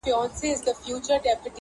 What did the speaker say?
داسي قبـاله مي په وجـود كي ده.